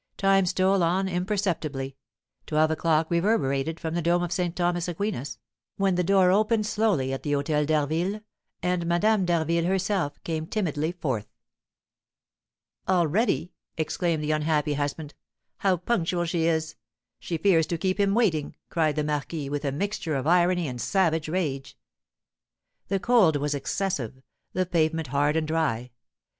Time stole on imperceptibly; twelve o'clock reverberated from the dome of St. Thomas Aquinas, when the door opened slowly at the Hôtel d'Harville, and Madame d'Harville herself came timidly forth. "Already?" exclaimed the unhappy husband; "how punctual she is! She fears to keep him waiting," cried the marquis, with a mixture of irony and savage rage. The cold was excessive; the pavement hard and dry.